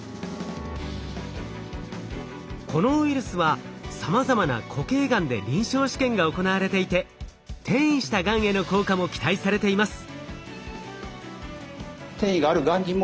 このウイルスはさまざまな固形がんで臨床試験が行われていて転移したがんへの効果も期待されています。